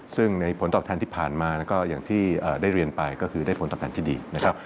ซึ่งในผลตอบแทนที่ผ่านมาก็อย่างที่ได้เรียนไปก็คือได้ผลตอบแทนที่ดีนะครับ